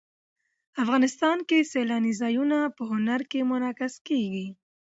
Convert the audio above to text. افغانستان کې سیلاني ځایونه په هنر کې منعکس کېږي.